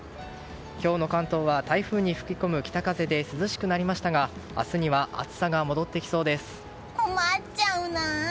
今日の関東は台風に吹き込む北風で涼しくなりましたが明日には暑さが戻ってきそうです。